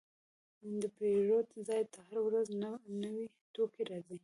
د پیرود ځای ته هره ورځ نوي توکي راځي.